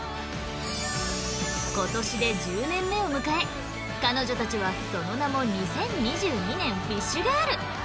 今年で１０年目を迎え彼女たちはその名も「２０２２年フィッシュガール」。